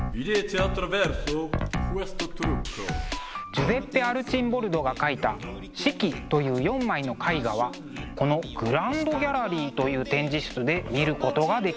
ジュゼッペ・アルチンボルドが描いた「四季」という４枚の絵画はこのグランドギャラリーという展示室で見ることができます。